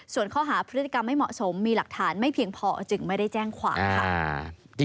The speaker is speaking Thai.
ส่วนข้อหาพฤติกรรมไม่เหมาะสมมีหลักฐานไม่เพียงพอจึงไม่ได้แจ้งความค่ะ